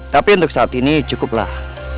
tapi untuk saat ini cukup lah